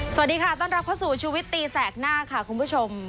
สวัสดีค่ะต้อนรับเข้าสู่ชูวิตตีแสกหน้าค่ะคุณผู้ชม